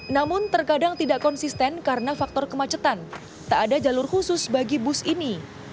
namun terkadang tidak konsisten karena faktor kemacetan tak ada jalur khusus bagi bus ini